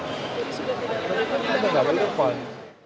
ada yang lebih lepas